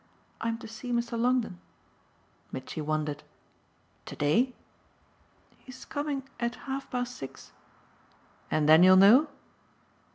I'm to see Mr. Longdon." Mitchy wondered. "To day?" "He's coming at half past six." "And then you'll know?"